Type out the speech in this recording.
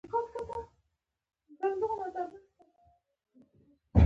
دا دوره د یو زر دوه سوه شپږ او پنځلس سوه شپږویشت ترمنځ وه.